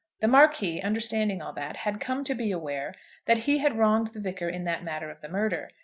The Marquis, understanding all that, had come to be aware that he had wronged the Vicar in that matter of the murder.